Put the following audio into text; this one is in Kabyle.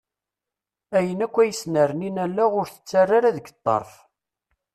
Ayen akk ara isernin allaɣ ur tettara ara deg ṭṭerf.